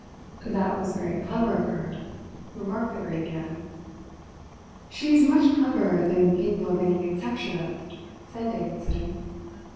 "That was very clever of her," remarked the great man. "She's much cleverer than people have any conception of," said Davidson.